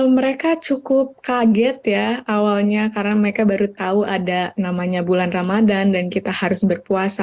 mereka cukup kaget ya awalnya karena mereka baru tahu ada namanya bulan ramadhan dan kita harus berpuasa